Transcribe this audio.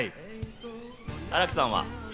新木さんは？